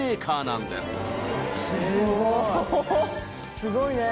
すごいね。